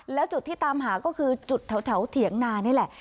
แล้วจุดที่ตามหาก็คือจุดแถวเถียงนานี่แหละ